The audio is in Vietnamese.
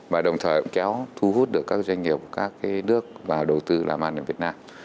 và đồng thời cũng kéo thu hút được các doanh nghiệp các nước vào đầu tư làm ăn ở việt nam